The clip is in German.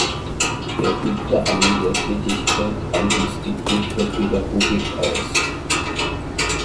Er übte eine Lehrtätigkeit am Institut für Pädagogik aus.